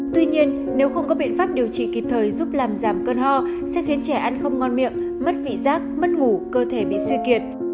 tuy nhiên nếu không có biện pháp điều trị kịp thời giúp làm giảm cơn ho sẽ khiến trẻ ăn không ngon miệng mất vị giác mất ngủ cơ thể bị suy kiệt